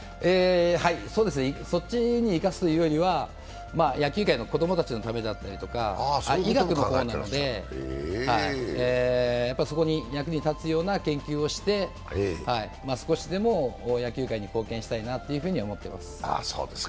そうですね、そっちに生かすというよりは野球界の子供たちのためだったりとか医学の方なので、そこに役に立つような研究をして少しでも野球界に貢献したいなというふうに思います。